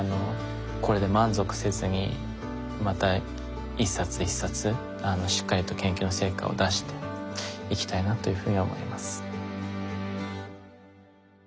これで満足せずにまた一冊一冊しっかりと研究の成果を出していきたいなというふうに思います。